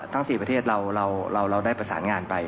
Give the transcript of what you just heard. ทั้ง๔ประเทศเราได้ประสานงานไป